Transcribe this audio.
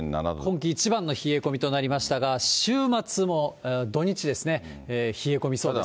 今季一番の冷え込みとなりましたが、週末も土日ですね、冷え込みそうですね。